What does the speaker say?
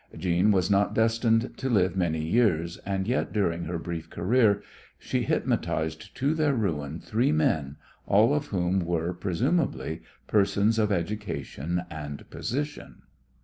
Jeanne was not destined to live many years, and yet during her brief career she hypnotized to their ruin three men, all of whom were, presumably, persons of education and position.